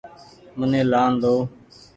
مني لآن ۮئو۔